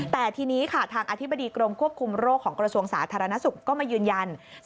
แต่ทีนี้ค่ะทางอธิบดีกรมควบคุมโรคของกระทรวงสาธารณสุขก็มายืนยัน